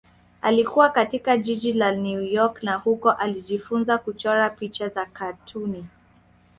Alikua katika jiji la New York na huko alijifunza kuchora picha za katuni.